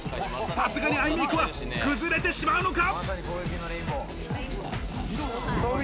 さすがにアイメイクは崩れてしまうのか？